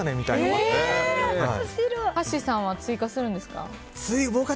はっしーさんは追加するんですか？